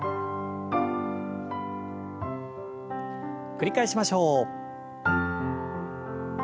繰り返しましょう。